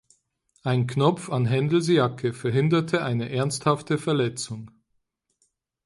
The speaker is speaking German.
Ein Knopf an Händels Jacke verhinderte eine ernsthafte Verletzung.